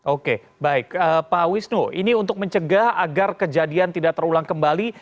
oke baik pak wisnu ini untuk mencegah agar kejadian tidak terulang kembali